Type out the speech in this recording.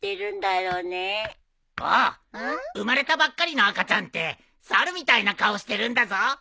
おう生まれたばっかりの赤ちゃんって猿みたいな顔してるんだぞ。